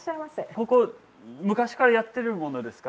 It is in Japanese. ここ昔からやってるものですか？